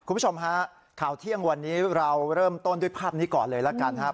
คุณผู้ชมฮะข่าวเที่ยงวันนี้เราเริ่มต้นด้วยภาพนี้ก่อนเลยละกันครับ